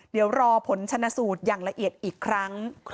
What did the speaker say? เดี๋ยวรอผลชนะสูตรอย่างละเอียดอีกครั้ง